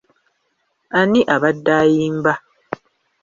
Ani abadde ayimba?